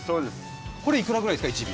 これいくらぐらいですか、１尾。